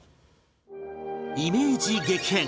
イメージ激変！